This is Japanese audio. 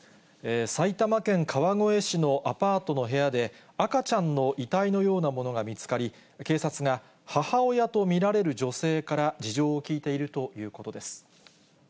埼玉県川越市のアパートの部屋で、赤ちゃんの遺体のようなものが見つかり、警察が、母親と見られる女性から事情を聴いているということです。